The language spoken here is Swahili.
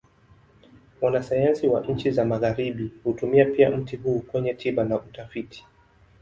Wanasayansi wa nchi za Magharibi hutumia pia mti huu kwenye tiba na utafiti.